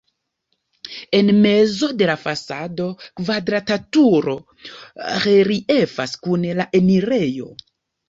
En mezo de la fasado kvadrata turo reliefas kun la enirejo.